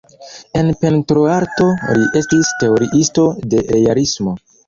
En pentroarto li estis teoriisto de realismo.